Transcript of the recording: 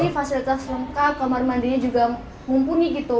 fasilitas lengkap kamar mandinya juga mumpuni gitu